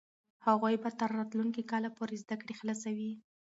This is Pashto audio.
هغوی به تر راتلونکي کاله پورې زده کړې خلاصوي.